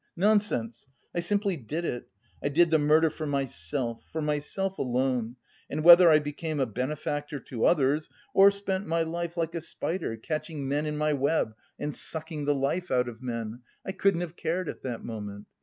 Nonsense! I simply did it; I did the murder for myself, for myself alone, and whether I became a benefactor to others, or spent my life like a spider catching men in my web and sucking the life out of men, I couldn't have cared at that moment....